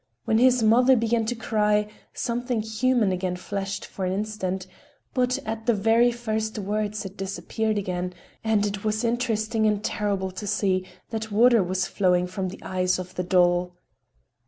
When his mother began to cry, something human again flashed for an instant, but at the very first words it disappeared again, and it was interesting and terrible to see that water was flowing from the eyes of the doll.